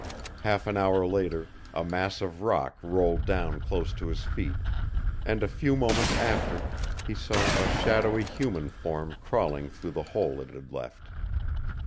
Half an hour later a mass of rock rolled down close to his feet, and a few moments after he saw a shadowy human form crawling through the hole it had left.